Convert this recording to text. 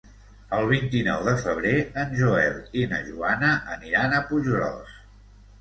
El vint-i-nou de febrer en Joel i na Joana aniran a Puiggròs.